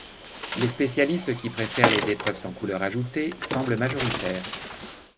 Les spécialistes qui préfèrent les épreuves sans couleur ajoutée semblent majoritaires.